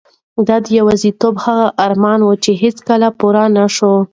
دا د یوازیتوب هغه ارمان و چې هیڅکله پوره نشو.